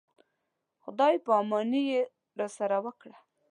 خدای په اماني یې راسره وکړه.